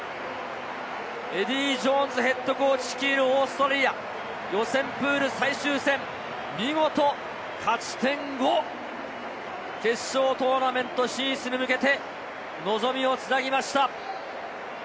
エディー・ジョーンズＨＣ率いるオーストラリア、予選プール最終戦、見事勝ち点５、決勝トーナメント進出に向けて望みを繋ぎました。